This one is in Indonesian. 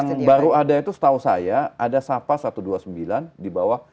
yang baru ada itu setahu saya ada sapa satu ratus dua puluh sembilan di bawah